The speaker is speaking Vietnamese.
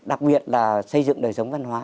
đặc biệt là xây dựng đời sống văn hóa